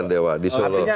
konser dewa di solo